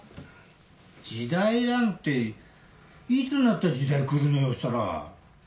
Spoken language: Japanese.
時代なんていつになったら時代来るのよそしたら。